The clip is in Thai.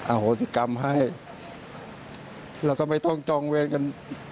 โหสิกรรมให้แล้วก็ไม่ต้องจองเวรกัน